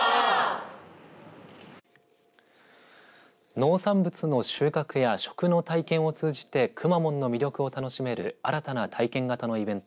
農産物の収穫や食の体験を通じてくまモンの魅力を楽しめる新たな体験型のイベント